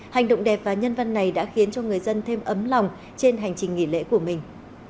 hành động đẹp và nhân văn này đã khiến cho người dân thêm ấm lòng trên hành trình nghỉ lễ của mình